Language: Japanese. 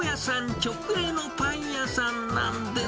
直営のパン屋さんなんです。